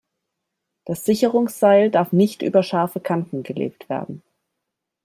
Das Sicherungsseil darf nicht über scharfe Kanten gelegt werden.